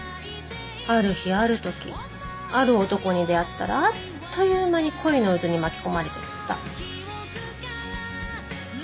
ある日あるときある男に出会ったらあっという間に恋の渦に巻き込まれてった。